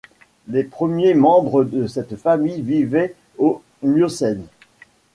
Les premiers membres de cette famille vivaient au Miocène.